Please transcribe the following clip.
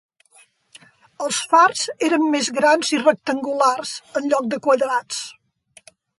Els fars eren més grans i rectangulars, en lloc de quadrats.